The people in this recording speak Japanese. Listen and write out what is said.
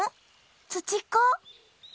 ツチッコ？